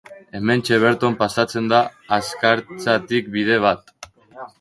Hementxe berton pasatzen da Azkartzatik bide bat.